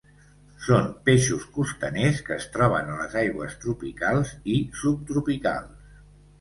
Són peixos costaners que es troben a les aigües tropicals i subtropicals.